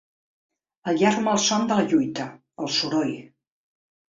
El llarg malson de la lluita, el soroll